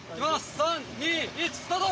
３・２・１スタート！